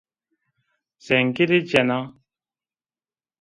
Zengilî cena